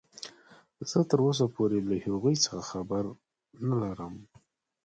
زه تراوسه پورې له هغوې څخه خبر نلرم.